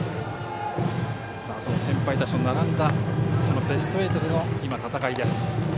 その先輩たちと並んだベスト８での戦いです。